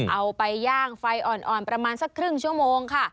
เอาไปย่างไฟอ่อนประมาณสักครึ่งชั่วโมงค่ะ